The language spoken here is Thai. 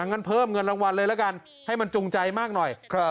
งั้นเพิ่มเงินรางวัลเลยละกันให้มันจุงใจมากหน่อย